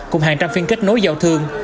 cùng hàng trăm phiên kết nối giao thương